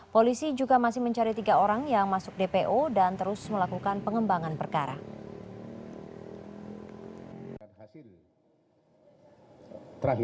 polisi juga masih mencari tiga orang yang masuk dpo dan terus melakukan pengembangan perkara